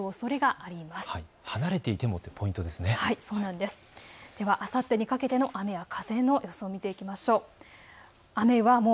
あさってにかけての雨や風の予想を見ていきましょう。